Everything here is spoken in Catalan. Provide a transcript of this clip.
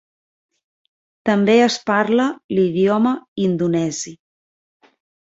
També es parla l'idioma indonesi.